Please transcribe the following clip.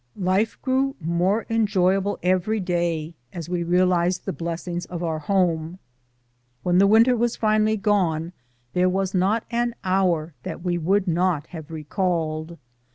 Life grew more enjoyable every day as we realized the blessings of our home. When the winter was finally gone there was not an hour that we would not have recalled.